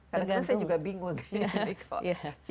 karena saya juga bingung sih